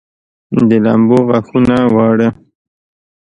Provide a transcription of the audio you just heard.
د لمبو غاښونه واړه